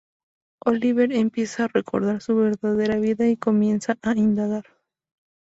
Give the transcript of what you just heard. Oliver empieza a recordar su verdadera vida y comienza a indagar.